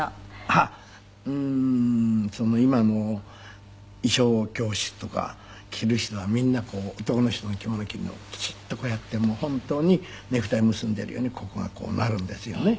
あっうーん今の衣装教室とか着る人はみんなこう男の人が着物着るのはきちっとこうやってもう本当にネクタイ結んでいるようにここがこうなるんですよね。